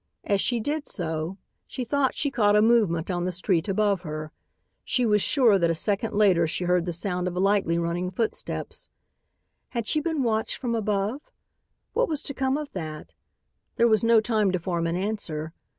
As she did so, she thought she caught a movement on the street above her. She was sure that a second later she heard the sound of lightly running footsteps. Had she been watched from above? What was to come of that? There was no time to form an answer.